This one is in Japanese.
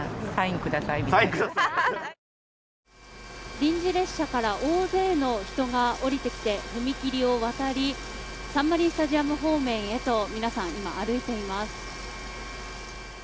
臨時列車から大勢の人が降りてきて踏切を渡りサンマリンスタジアム方面へと皆さん、歩いています。